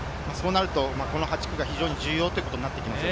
そうなると、この８区が非常に重要ということになります